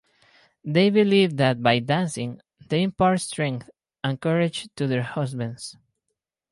They believe that by dancing they impart strength and courage to their husbands.